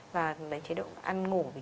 và chế độ ăn ngủ